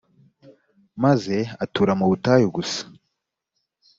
maze atura mu butayu gusa